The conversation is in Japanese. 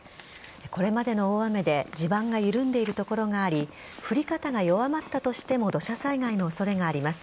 これまでの大雨で地盤が緩んでいる所があり降り方が弱まったとしても土砂災害の恐れがあります。